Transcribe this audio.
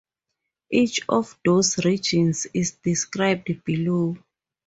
Each of those regions is described below.